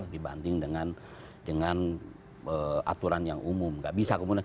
dibanding dengan aturan yang umum